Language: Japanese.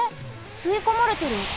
すいこまれてる。